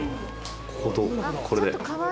こことこれで。